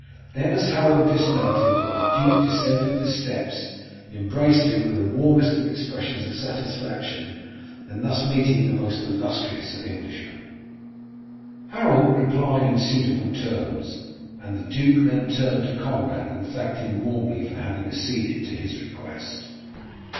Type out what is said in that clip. Then as Harold dismounted, the duke descended the steps and embraced him with the warmest expressions of satisfaction at thus meeting the most illustrious of Englishmen. Harold replied in suitable terms, and the duke then turned to Conrad and thanked him warmly for having acceded to his request.